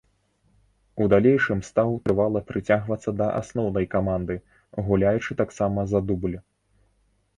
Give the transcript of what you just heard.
У далейшым стаў трывала прыцягвацца да асноўнай каманды, гуляючы таксама за дубль.